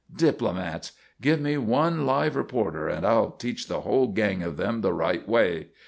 Diplomats! Give me one live reporter, and I'll teach the whole gang of them the right way!